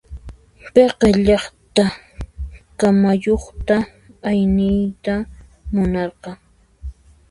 Payqa llaqta kamayuqta ayniyta munarqan.